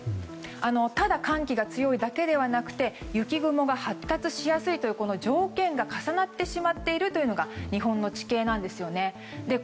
ただ寒気が強いだけではなくて雪雲が発達しやすいという条件が重なってしまっているのが日本の地形なんですね。